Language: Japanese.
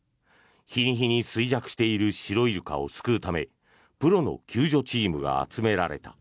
日に日に衰弱しているシロイルカを救うためプロの救助チームが集められた。